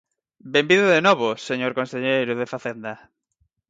Benvido de novo, señor conselleiro de Facenda.